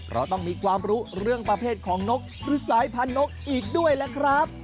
เราต้องมีความรู้เรื่องประเภทของนกหรือสายพันธกอีกด้วยล่ะครับ